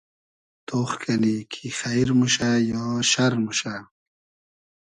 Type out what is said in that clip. تۉخ کئنی کی خݷر موشۂ یا شئر موشۂ